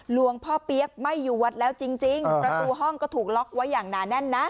หลวงพ่อเปี๊ยกไม่อยู่วัดแล้วจริงประตูห้องก็ถูกล็อกไว้อย่างหนาแน่นนะ